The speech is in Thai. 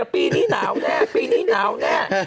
ปีนี้หนาวแน่ปีนี้หนาวแน่